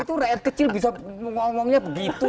itu rakyat kecil bisa ngomongnya begitu